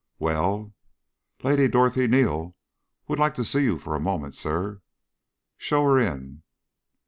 "Well?" "Lady Dorothy Neal would like to see you for a moment, Sir." "Show her in."